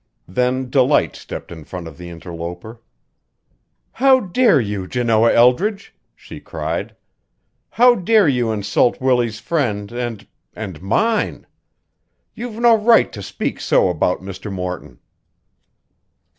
Then Delight stepped in front of the interloper. "How dare you, Janoah Eldridge!" she cried. "How dare you insult Willie's friend and and mine! You've no right to speak so about Mr. Morton."